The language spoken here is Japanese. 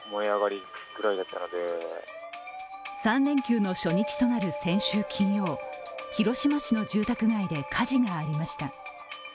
３連休の初日となる先週金曜広島市の住宅街で火事がありました。